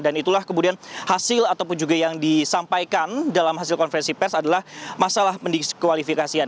dan itulah kemudian hasil ataupun juga yang disampaikan dalam hasil konferensi pers adalah masalah mendiskualifikasian